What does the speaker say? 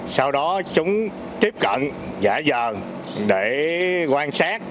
sau đó chúng tiếp cận giả dờ để quan sát